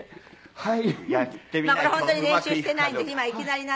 はい。